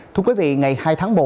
thưa quý vị ngày hai tháng một